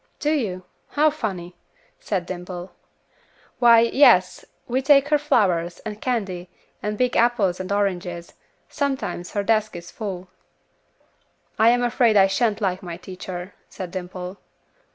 "Do you? How funny," said Dimple. "Why, yes, we take her flowers, and candy, and big apples and oranges; sometimes her desk is full." "I am afraid I shan't like my teacher," said Dimple.